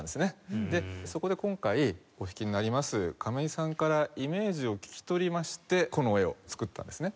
そこで今回お弾きになります亀井さんからイメージを聞き取りましてこの絵を作ったんですね。